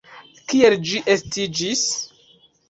Kiel ĝi estiĝis?